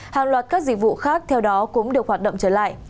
hàng loạt các dịch vụ khác theo đó cũng được hoạt động trở lại